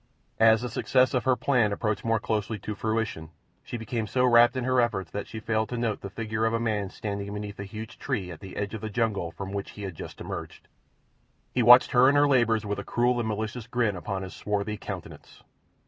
As the success of her plan approached more closely to fruition she became so wrapped in her efforts that she failed to note the figure of a man standing beneath a huge tree at the edge of the jungle from which he had just emerged. He watched her and her labours with a cruel and malicious grin upon his swarthy countenance.